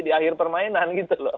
di akhir permainan